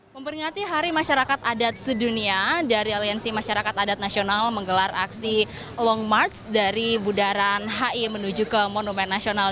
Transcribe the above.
memperingati hari masyarakat adat sedunia dari aliansi masyarakat adat nasional menggelar aksi long march dari budaran hi menuju ke monumen nasional